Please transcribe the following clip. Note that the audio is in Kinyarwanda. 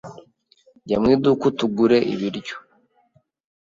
Jya mu iduka utugure ibiryo.